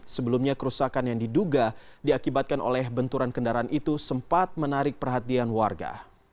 sebelumnya kerusakan yang diduga diakibatkan oleh benturan kendaraan itu sempat menarik perhatian warga